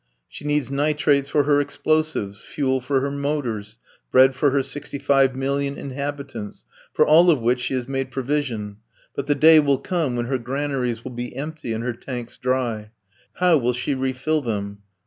She needs nitrates for her explosives, fuel for her motors, bread for her sixty five million inhabitants, for all of which she has made provision; but the day will come when her granaries will be empty and her tanks dry. How will she refill them?